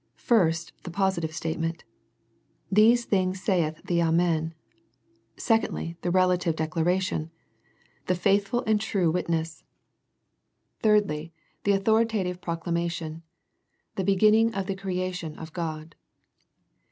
First the positive statement, " These things saith the Amen." Secondly, the relative dec laration, " the faithful and true witness." 190 A First Century Message Thirdly, the authoritative proclamation "the beginning of the creation of God."